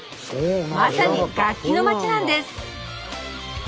まさに楽器の町なんです！